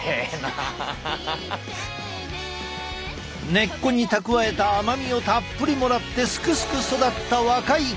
根っこに蓄えた甘みをたっぷりもらってすくすく育った若い茎。